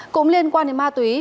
cũng liên quan đến ma túy